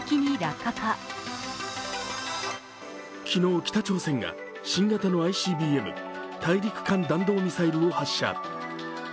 昨日、北朝鮮が新型のＩＣＢＭ＝大陸間弾道ミサイルを発射。